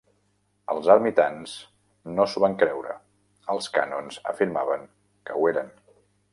Els ermitans no s'ho van creure; els cànons afirmaven que ho eren.